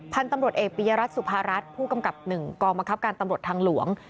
พันธุ์ตำรวจเอกปียรัฐสุภารัฐผู้กำกับ๑กองบังคับการตำรวจทางหลวง